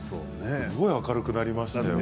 すごい明るくなりましたよね。